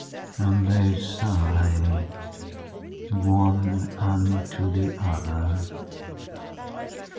And they sigh one unto the other.